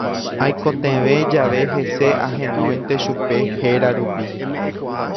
Aikotevẽ jave hese ahenóinte chupe héra rupi.